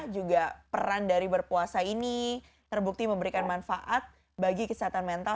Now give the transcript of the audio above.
juga peran dari berpuasa ini terbukti memberikan manfaat bagi kesehatan mental